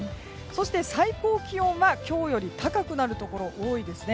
そして最高気温は今日より高くなるところが多いですね。